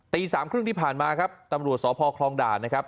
สามครึ่งที่ผ่านมาครับตำรวจสพคลองด่านนะครับ